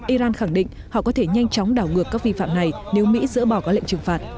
iran khẳng định họ có thể nhanh chóng đảo ngược các vi phạm này nếu mỹ dỡ bỏ các lệnh trừng phạt